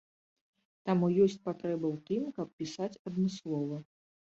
Таму ёсць патрэба ў тым, каб пісаць адмыслова.